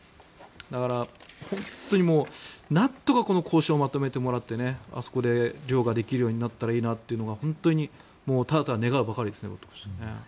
だから、本当になんとかこの交渉をまとめてもらってあそこで漁ができるようになったらいいなというのが本当にただただ願うばかりですけどね。